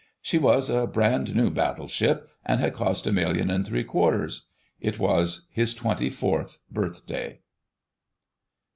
She was a brand new Battleship, and had cost a million and three quarters. It was his twenty fourth birthday.